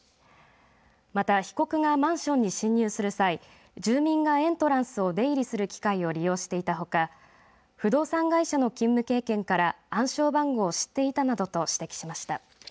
また被告がマンションに侵入する際住民がエントランスを出入りする機会を利用していたほか不動産会社の勤務経験から暗証番号を知っていたなどと指摘しました。